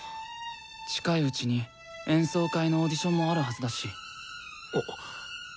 近いうちに演奏会のオーディションもあるはずだし。